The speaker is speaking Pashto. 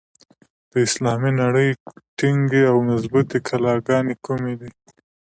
د اسلامي نړۍ ټینګې او مضبوطي کلاګانې کومي دي؟